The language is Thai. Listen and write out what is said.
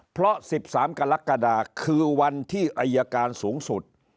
เพราะ๑๓กรกฎาคือวันที่อายการสูงสุด